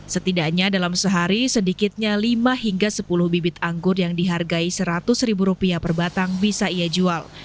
setidaknya dalam sehari sedikitnya lima hingga sepuluh bibit anggur yang dihargai seratus ribu rupiah per batang bisa ia jual